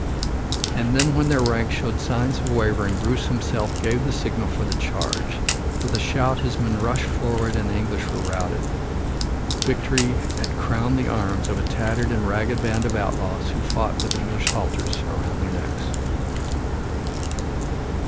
And then when their ranks showed signs of wavering, Bruce himself gave the signal for the charge. With a shout his men rushed forward and the English were routed. Victory had crowned the arms of a tattered and ragged band of outlaws who fought with English halters around their necks.